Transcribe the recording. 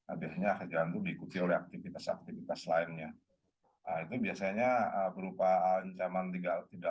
esoknya harimau dievakuasi ke pusat rehabilitasi harimau sumatera darmasraya